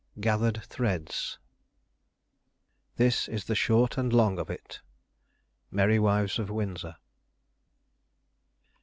GATHERED THREADS "This is the short and the long of it." Merry Wives of Windsor.